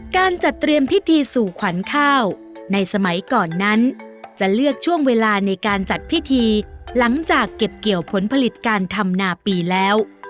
การจัดเตรียมพิธีสู่ขวัญข้าวในสมัยก่อนนั้นจะเลือกช่วงเวลาในการจัดพิธีหลังจากเก็บเกี่ยวผลผลิตการทำนาปีแล้ว